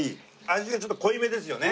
味がちょっと濃いめですよね。